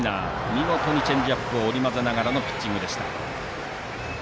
見事にチェンジアップを織り交ぜながらのピッチングでした。